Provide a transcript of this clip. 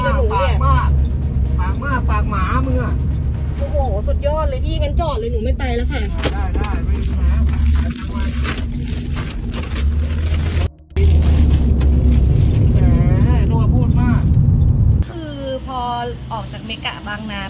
เขาก็โวยวายว่าเขาอ่ะเกิดมานานแล้วเป็นรุ่นพ่อแล้วอะไรอย่างเงี้ย